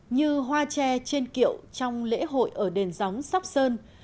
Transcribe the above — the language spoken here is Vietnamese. như hoa tre trên kiệu trong lễ hội ở đền gióng sóc sơn